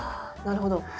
あなるほど。